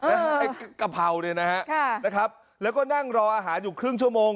เออไอ้กะเพราเลยนะฮะค่ะนะครับแล้วก็นั่งรออาหารอยู่ครึ่งชั่วโมง